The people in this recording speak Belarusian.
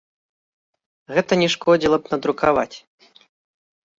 Гэта не шкодзіла б надрукаваць.